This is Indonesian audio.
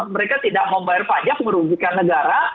mereka tidak mau bayar pajak merugikan negara